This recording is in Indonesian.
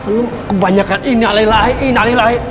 lo kebanyakan innaillahi innaillahi